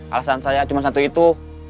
alasan saya cuma satu itu